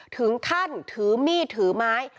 ถึงขั้นถือมีดถือไม้